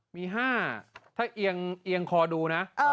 มี๕ถ้าเอียงคอดูนะ